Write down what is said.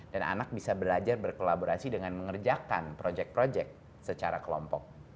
dan anak bisa belajar berkolaborasi dengan mengerjakan project project secara kelompok